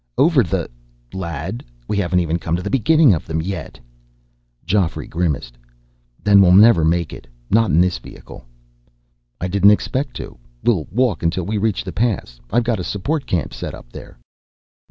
"Over the lad, we haven't even come to the beginning of them yet." Geoffrey grimaced. "Then we'll never make it. Not in this vehicle." "I didn't expect to. We'll walk until we reach the pass. I've got a support camp set up there."